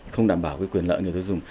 không đảm bảo cái quyền lợi người tiêu dùng